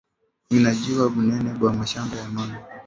Mina juwa bunene bwa mashamba ya mama